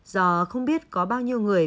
do không biết có bao nhiêu người